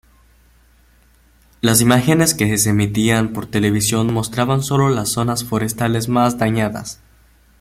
Las imágenes que se emitían por televisión mostraban solo las zonas forestales más dañadas.